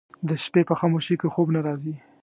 د شپې په خاموشۍ کې خوب نه راځي